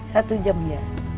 satu jam ya